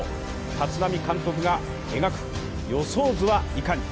立浪監督が描く予想図はいかに。